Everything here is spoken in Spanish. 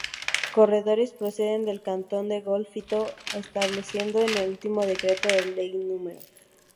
Corredores procede del cantón de Golfito establecido este último en Decreto Ley No.